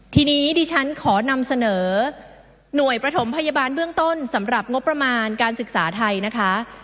ทีนี้ดิฉันขอนำเสนอหน่วยประถมพยาบาลเบื้องต้นสำหรับงบประมาณการศึกษาไทยนะคะ